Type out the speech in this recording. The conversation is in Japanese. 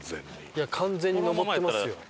いや完全に上ってますよ。